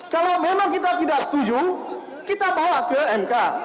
kalau memang kita tidak setuju kita bawa ke mk